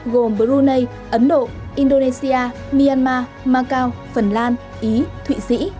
gồm brunei ấn độ indonesia myanmar macau phần lan ý thụy sĩ